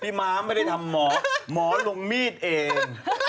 พี่ม้าไม่ได้ทำหมอลงมีดเอง